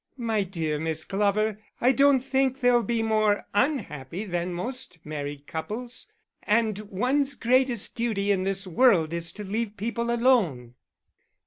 "My dear Miss Glover, I don't think they'll be more unhappy than most married couples; and one's greatest duty in this world is to leave people alone."